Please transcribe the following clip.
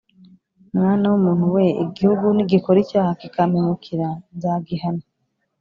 Mwana w’ umuntu we igihugu nigikora icyaha kikampemukira nzagihana